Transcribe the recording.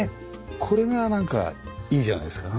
これがなんかいいじゃないですかねえ。